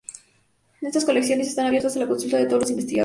Estas colecciones están abiertas a la consulta de todos los investigadores.